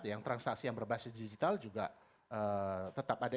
yang transaksi yang berbasis digital juga tetap ada